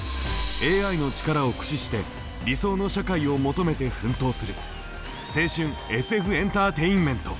ＡＩの力を駆使して理想の社会を求めて奮闘する青春ＳＦエンターテインメント！